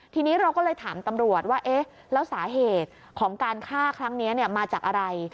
ทีนี้เราก็เลยถามตำรวจว่าเอ๊ะแล้วสาเหตุของการฆ่าครั้งนี้มาจากอะไร